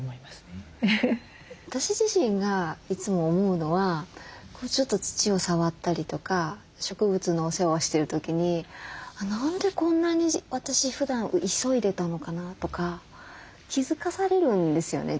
私自身がいつも思うのはちょっと土を触ったりとか植物のお世話をしてる時に「何でこんなに私ふだん急いでたのかな」とか気付かされるんですよね。